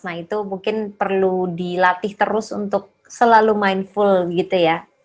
nah itu mungkin perlu dilatih terus untuk selalu mindful gitu ya